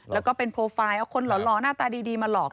แล้วก็เป็นโปรไฟล์เอาคนหล่อหน้าตาดีมาหลอก